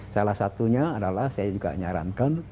salah satunya adalah saya juga nyarankan